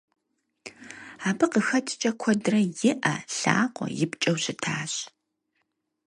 Абы къыхэкӏкӏэ, куэдрэ и ӏэ, лъакъуэ ипкӏэу щытащ.